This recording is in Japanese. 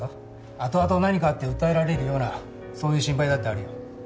後々何かあって訴えられるようなそういう心配だってあるよ